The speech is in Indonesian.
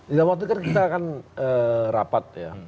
dalam waktu itu kita akan rapat ya